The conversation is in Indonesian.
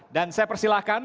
dan saya persilahkan